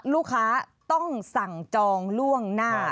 ลูกค้าต้องสั่งจองล่วงหน้า